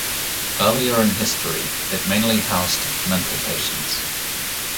Earlier in history, it mainly housed mental patients.